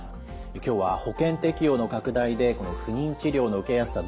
今日は保険適用の拡大でこの不妊治療の受けやすさ